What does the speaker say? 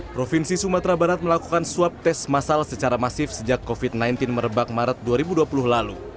provinsi sumatera barat melakukan swab tes masal secara masif sejak covid sembilan belas merebak maret dua ribu dua puluh lalu